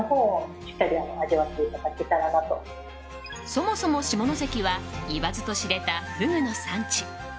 そもそも下関は言わずと知れたフグの産地。